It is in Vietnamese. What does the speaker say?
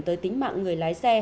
tới tính mạng người lái